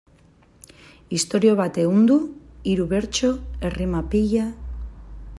Istorio bat ehundu, hiru bertso, errima pila...